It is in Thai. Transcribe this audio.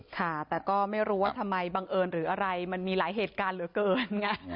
ค่ะแต่ก็ไม่รู้ว่าทำไมบังเอิญหรืออะไรมันมีหลายเหตุการณ์เหลือเกินไง